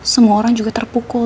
semua orang juga terpukul